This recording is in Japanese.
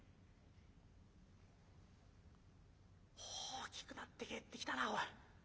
「大きくなって帰ってきたなおい。